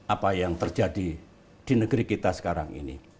apa yang terjadi di negeri kita sekarang ini